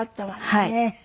はい。